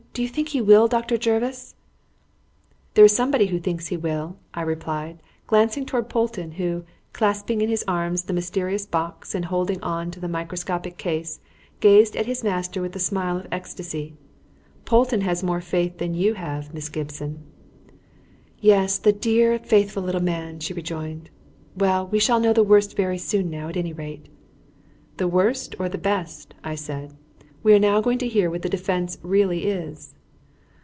Do you think he will, Dr. Jervis?" "There is someone who thinks he will," I replied, glancing towards Polton, who, clasping in his arms the mysterious box and holding on to the microscope case, gazed at his master with a smile of ecstasy. "Polton has more faith than you have, Miss Gibson." "Yes, the dear, faithful little man!" she rejoined. "Well, we shall know the worst very soon now, at any rate." "The worst or the best," I said. "We are now going to hear what the defence really is."